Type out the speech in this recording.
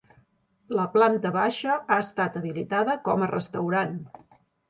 La planta baixa ha estat habilitada com a restaurant.